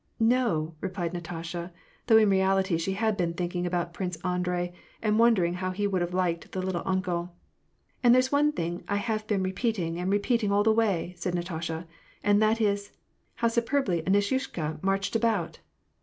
"No," replied Natasha, though in reality she had been thinking about Prince Andrei, and wondering how he would have liked the " little uncle." " And there's one thing I have been repeating and repeating all the way," said Natasha, " and that is, ' How superbly Anisyushka marched about